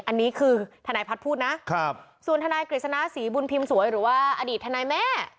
อันนี้คือทนายพัฒน์พูดนะส่วนทนายกฤษณะศรีบุญพิมพ์สวยหรือว่าอดีตทนายแม่